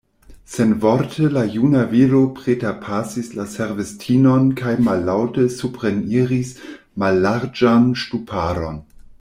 Senvorte la juna viro preterpasis la servistinon kaj mallaŭte supreniris mallarĝan ŝtuparon.